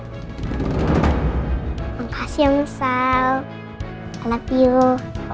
makasih ya musal